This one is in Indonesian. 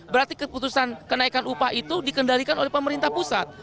berarti keputusan kenaikan upah itu dikendalikan oleh pemerintah pusat